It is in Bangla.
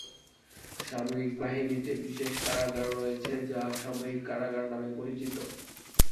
সামরিক বাহিনীতে বিশেষ কারাগার রয়েছে যা সামরিক কারাগার নামে পরিচিত।